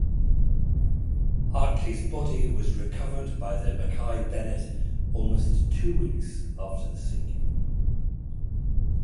Hartley's body was recovered by the "Mackay-Bennett" almost two weeks after the sinking.